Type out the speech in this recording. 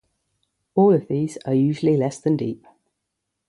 All of these are usually less than deep.